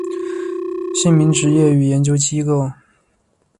姓名职业与研究机构